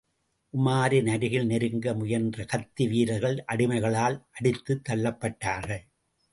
உமாரின் அருகில் நெருங்க முயன்ற கத்தி வீரர்கள் அடிமைகளால் அடித்துத் தள்ளப்பட்டார்கள்.